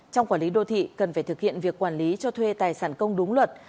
trong quản lý đô thị cần phải thực hiện việc quản lý cho thuê tài sản công đúng luật